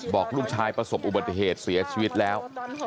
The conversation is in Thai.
บอกลูกชายประสบอุบัติเหตุเสียชีวิตแล้ว